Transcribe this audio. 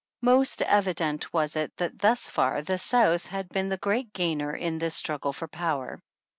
Most evident was it, that thus far the South had been the great gainer in this struggle for power.